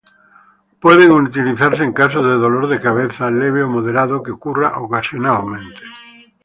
Pueden utilizarse en casos de dolor de cabeza leve o moderado que ocurra ocasionalmente.